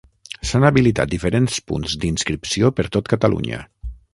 S'han habilitat diferents punts d'inscripció per tot Catalunya.